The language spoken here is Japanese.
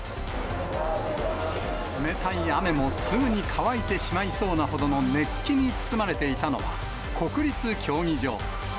冷たい雨もすぐに乾いてしまいそうなほど熱気に包まれていたのは、国立競技場。